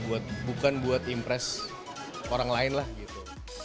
bukan buat impress orang lain lah gitu